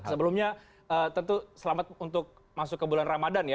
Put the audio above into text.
sebelumnya tentu selamat untuk masuk ke bulan ramadan ya